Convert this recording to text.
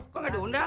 kok gak diundang